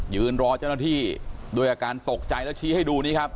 ยืนรอเจ้าหน้าที่ด้วยอาการตกใจแล้วชี้ให้ดูนี้ครับ